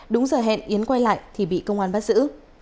đúng giờ hẹn yến quay lại thì bị công an bắt giữ